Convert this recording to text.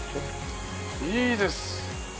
いいです！